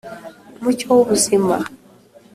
umucyo w'ubuzima'